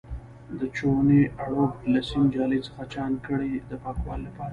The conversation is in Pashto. د چونې اړوب له سیم جالۍ څخه چاڼ کړئ د پاکوالي لپاره.